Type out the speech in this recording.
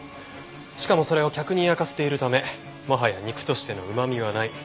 「しかもそれを客に焼かせているためもはや肉としての旨味はない」